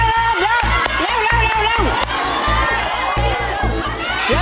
ยกเลยยกเร็วเร็วเร็วเร็ว